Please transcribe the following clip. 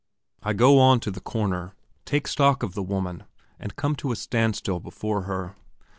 I go on to the corner, take stock of the woman, and come to a standstill before her.